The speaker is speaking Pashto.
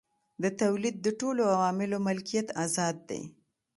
د تولید د ټولو عواملو ملکیت ازاد دی.